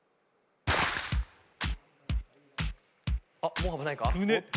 もう危ないか？